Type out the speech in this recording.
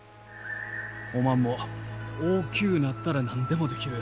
おまんも大きゅうなったら何でもできる。